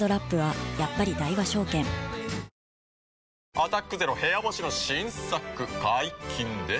「アタックＺＥＲＯ部屋干し」の新作解禁です。